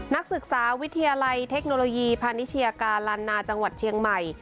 นักศึกษาวิทยาลัยเทคโนโลยีพาณิชยากาลันนาจังหวัดเชียงใหม่